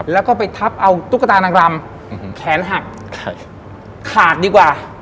แล้วก็ไปทับเอาตุ๊กตานางรำแขนหักขาดดีกว่า